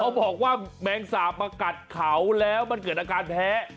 บอกว่าแมงสาบมากัดเขาแล้วมันเกิดอาการแพ้